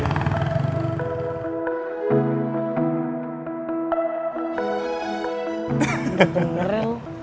udah denger ya lo